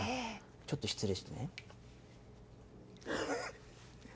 ちょっと失礼してね。